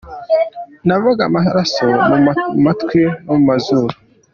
Navaga amaraso mu matwi no mu mazuru.